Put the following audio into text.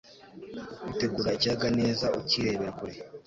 kwitegera ikiyaga neza ukirebera kure